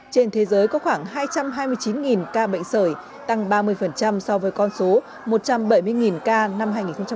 trên thế giới có khoảng hai trăm hai mươi chín ca bệnh sởi tăng ba mươi so với con số một trăm bảy mươi ca năm hai nghìn một mươi tám